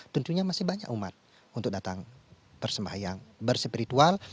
tentunya masih banyak umat untuk datang persembahyang berspiritual